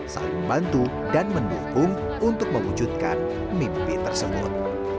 saling bantu dan mendukung untuk memujudkan mimpi tersebut